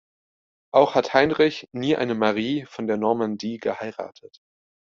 Auch hat Heinrich nie eine Marie von der Normandie geheiratet.